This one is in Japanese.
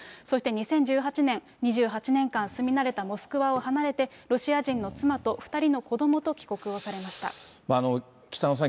そして２０１８年、２８年間住み慣れたモスクワを離れて、ロシア人の妻と２人の子どもと帰国をされました。